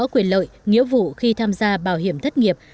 quyền lợi nghĩa vụ khi tham gia bảo hiểm thất nghiệp